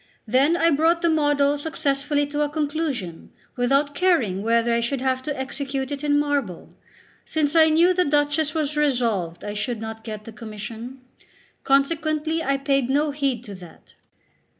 Then I brought the model successfully to a conclusion, without caring whether I should have to execute it in marble, since I knew the Duchess was resolved I should not get the commission. Consequently I paid no heed to that.